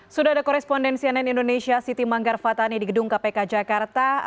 sudah ada korespondensi ann indonesia siti manggar fatani di gedung kpk jakarta